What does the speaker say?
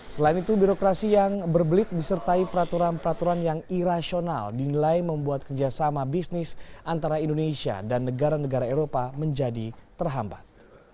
selain itu birokrasi yang berbelit disertai peraturan peraturan yang irasional dinilai membuat kerjasama bisnis antara indonesia dan negara negara eropa menjadi terhambat